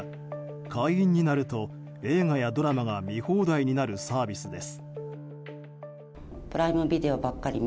会員になると映画やドラマが見放題になるサービスです。